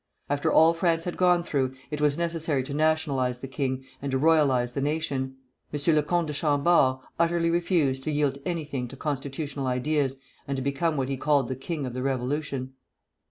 After all France had gone through, it was necessary to nationalize the king, and to royalize the nation. M. le Comte de Chambord utterly refused to yield anything to constitutional ideas and to become what he called the king of the Revolution.